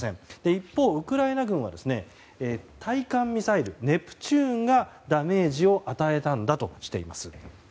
一方、ウクライナ軍は対艦ミサイル、ネプチューンがダメージを与えたんだとしています。